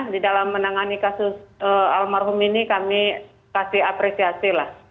di dalam menangani kasus almarhum ini kami kasih apresiasi lah